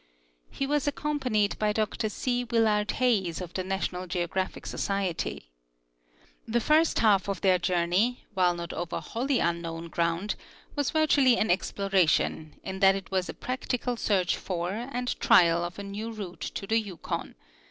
He was accompanied by Dr C. Willard Hayes, of the National Geographic Society. The first half of their journey, while not over wholly unknown ground, was virtually an exploration, in that it was a practical search for and trial of a new route to the Yukon.